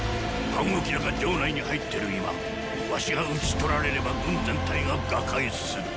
樊於期らが城内に入っている今儂が討ち取られれば軍全体が瓦解する。